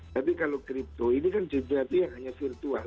tapi kalau kripto ini kan sebenarnya hanya virtual